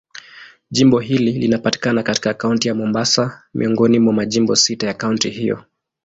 Jimbo hili linapatikana katika Kaunti ya Mombasa, miongoni mwa majimbo sita ya kaunti hiyo.